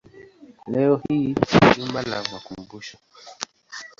Leo hii ni jumba la makumbusho.